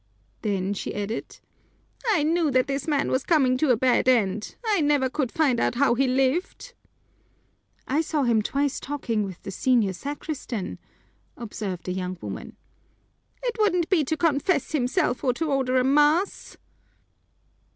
Then she added, "I knew that this man was coming to a bad end; I never could find out how he lived." "I saw him twice talking with the senior sacristan," observed a young woman. "It wouldn't be to confess himself or to order a mass!"